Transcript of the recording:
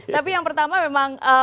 tapi yang pertama memang